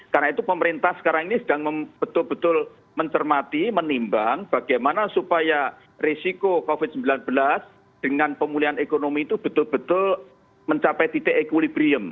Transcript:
karena itu pemerintah sekarang ini sedang betul betul mencermati menimbang bagaimana supaya risiko covid sembilan belas dengan pemulihan ekonomi itu betul betul mencapai titik equilibrium